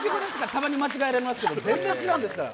たまに間違われますけど全然違うんですから。